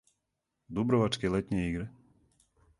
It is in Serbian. Дубровачке летње игре.